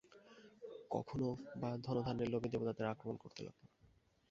কখনও বা ধনধান্যের লোভে দেবতাদের আক্রমণ করতে লাগল।